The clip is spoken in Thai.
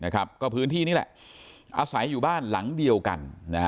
ก็พื้นที่นี่แหละอาศัยอยู่บ้านหลังเดียวกัน